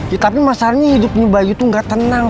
ya tapi mas arisanto hidupnya bayu tuh gak tenang